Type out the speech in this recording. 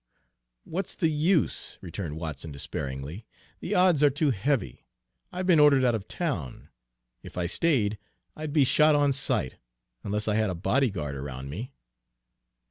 "What's the use?" returned Watson despairingly. "The odds are too heavy. I've been ordered out of town; if I stayed, I'd be shot on sight, unless I had a body guard around me."